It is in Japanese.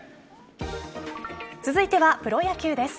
続いてはプロ野球です。